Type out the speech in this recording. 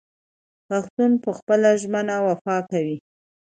پښتون په خپلو ژمنو وفا کوي.